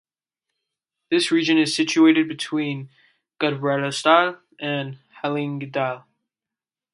This region is situated between Gudbrandsdal and Hallingdal.